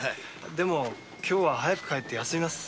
でも今日は早く帰って休みます。